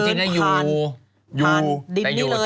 ผ่านดินนี้เลย